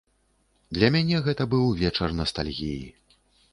Для мяне гэта быў вечар настальгіі.